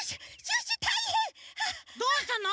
どうしたの？